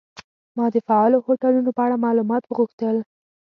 ما د فعالو هوټلونو په اړه معلومات وغوښتل.